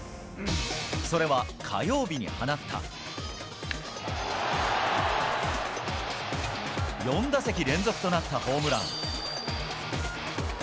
それは火曜日に放った、４打席連続となったホームラン。